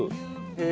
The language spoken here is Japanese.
へえ。